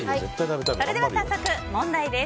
それでは早速問題です。